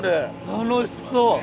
楽しそう。